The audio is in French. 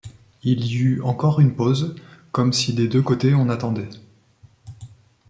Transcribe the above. Il y eut encore une pause, comme si des deux côtés on attendait.